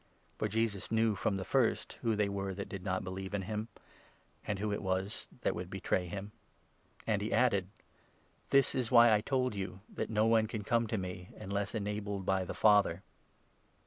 For Jesus knew from the first who they were that did not believe in him, and who it was that would betray him ; and he added :" This is why I told you that no one can come to me, unless enabled by the Father.